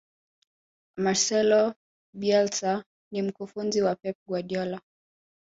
marcelo bielsa ni mkufunzi wa pep guardiola